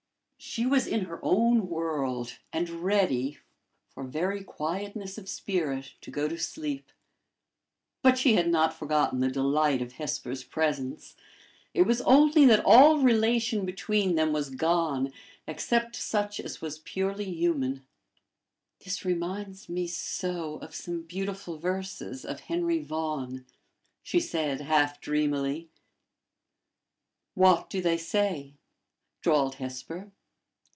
She was in her own world, and ready, for very, quietness of spirit, to go to sleep. But she had not forgotten the delight of Hesper's presence; it was only that all relation between them was gone except such as was purely human. "This reminds me so of some beautiful verses of Henry Vaughan!" she said, half dreamily. "What do they say?" drawled Hesper.